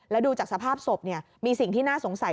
แล้วดูจากสภาพศพมีสิ่งที่น่าสงสัย